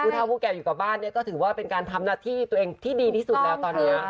เท่าผู้แก่อยู่กับบ้านเนี่ยก็ถือว่าเป็นการทำหน้าที่ตัวเองที่ดีที่สุดแล้วตอนนี้